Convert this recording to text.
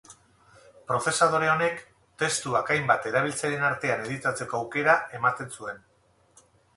Prozesadore honek, testuak hainbat erabiltzaileen artean editatzeko aukera ematen zuen.